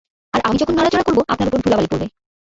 আর আমি যখন নড়াচড়া করব আপনার উপর ধূলিবালি পড়বে।